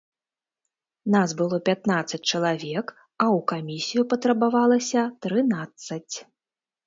Нас было пятнаццаць чалавек, а ў камісію патрабавалася трынаццаць.